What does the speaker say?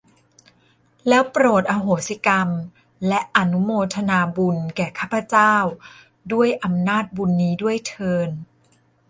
แล้วโปรดอโหสิกรรม และอนุโมทนาบุญแก่ข้าพเจ้า ด้วยอำนาจบุญนี้ด้วยเทอญ